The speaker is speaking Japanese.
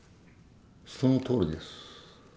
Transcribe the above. そのとおりです。